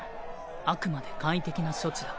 あくまで簡易的な処置だ。